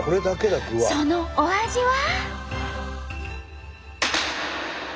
そのお味は？